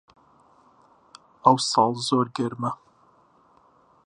ئەوساڵ زۆر گەرمە